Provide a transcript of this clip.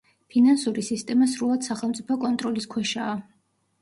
ფინანსური სისტემა სრულად სახელმწიფო კონტროლის ქვეშაა.